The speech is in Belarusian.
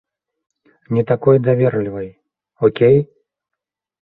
Не такой даверлівай, окей.